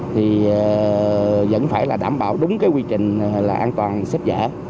thì vẫn phải đảm bảo đúng quy trình an toàn xếp dở